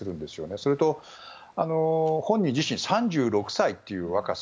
それと、本人は３６歳という若さ。